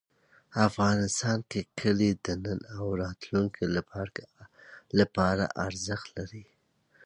افغانستان کې کلي د نن او راتلونکي لپاره ارزښت لري.